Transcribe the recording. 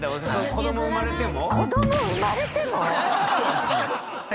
子ども生まれても？